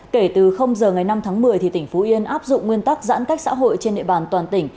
kể từ giờ ngày năm tháng một mươi tỉnh phú yên áp dụng nguyên tắc giãn cách xã hội trên địa bàn toàn tỉnh